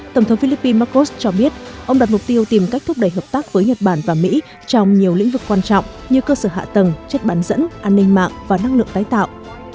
tổng thống philippines marcos cho biết ông đặt mục tiêu tìm cách thúc đẩy hợp tác với nhật bản và mỹ trong nhiều lĩnh vực quan trọng như cơ sở hạ tầng chất bán dẫn an ninh mạng và năng lượng tái tạo